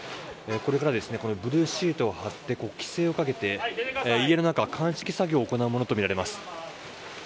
これからブルーシートを張って規制をかけて家の中の鑑識作業を行うものとみられます。